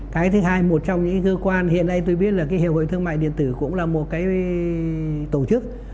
cái thứ hai một trong những cơ quan hiện nay tôi biết là cái hiệp hội thương mại điện tử cũng là một cái tổ chức